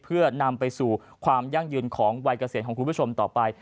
เพื่อนำไปสู่ความยั่งยืนของวัยเกษียณของคุณผู้ชมต่อไป